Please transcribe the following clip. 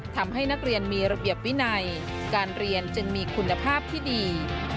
ทำให้นักเรียนมีระเบียบวินัยการเรียนจึงมีคุณภาพที่ดี